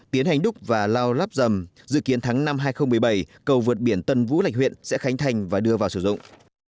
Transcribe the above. tiến hành đúc và lao lắp dầm dự kiến tháng năm hai nghìn một mươi bảy cầu vượt biển tân vũ lạch huyện sẽ khánh thành và đưa vào sử dụng